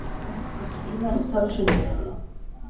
წარმატებული სამხედრო კარიერის განმავლობაში მიაღწია გენერლის ჩინს.